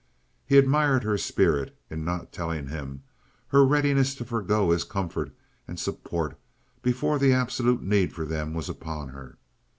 He admired her spirit in not telling him, her readiness to forgo his comfort and support before the absolute need for them was upon her.